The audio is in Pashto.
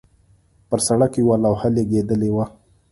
پر سړک یوه لوحه لګېدلې وه.